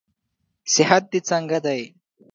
صحت دې څنګه دئ؟